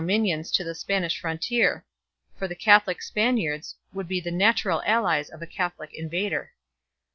minions to the Spanish frontier, for the Catholic Spaniards would be the natural allies of a Catholic invader.